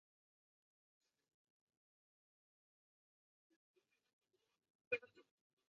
荀采拿出刀子以自己的性命威胁不肯改嫁。